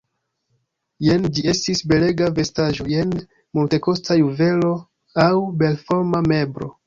Jen ĝi estis belega vestaĵo, jen multekosta juvelo aŭ belforma meblo.